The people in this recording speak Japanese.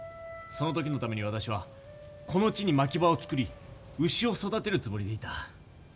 その時のために私はこの地に牧場を造り牛を育てるつもりでいた。